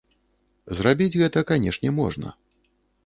Зрабіць гэта, канешне, можна.